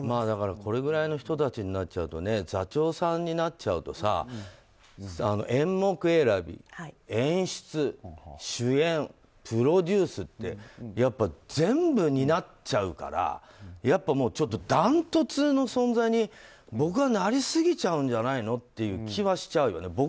だから、これぐらいの人たちになっちゃうと座長さんになっちゃうと演目選び、演出主演、プロデュースってやっぱり全部担っちゃうからやっぱりダントツの存在に僕は、なりすぎちゃうんじゃないのっていう気はしちゃうよね。